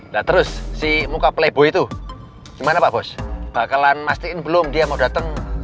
lha terus si muka playboy tuh gimana pak bos bakalan mastiin belum dia mau dateng